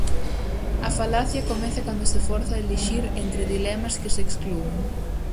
A falacia comeza cando se forza a elixir entre dilemas que se exclúen.